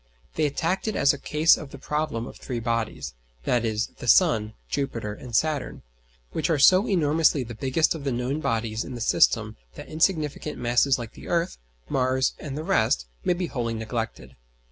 They attacked it as a case of the problem of three bodies, viz. the sun, Jupiter, and Saturn; which are so enormously the biggest of the known bodies in the system that insignificant masses like the Earth, Mars, and the rest, may be wholly neglected.